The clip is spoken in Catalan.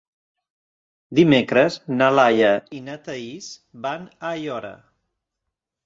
Dimecres na Laia i na Thaís van a Aiora.